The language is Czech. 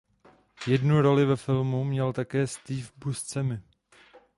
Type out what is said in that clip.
Jednu roli ve filmu měl také Steve Buscemi.